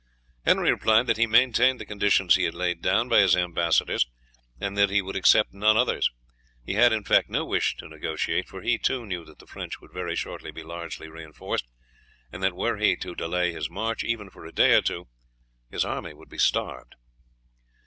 Henry replied that he maintained the conditions he had laid down by his ambassadors, and that he would accept none others. He had, in fact, no wish to negotiate, for he, too, knew that the French would very shortly be largely reinforced, and that were he to delay his march, even for a day or two, his army would be starved.